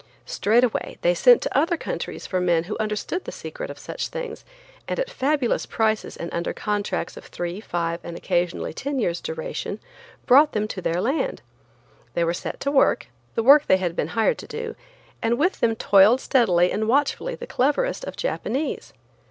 Straightway they sent to other countries for men who understood the secret of such things, and at fabulous prices and under contracts of three, five and occasionally ten years duration, brought them to their land. They were set to work, the work they had been hired to do, and with them toiled steadily and watchfully the cleverest of Japanese.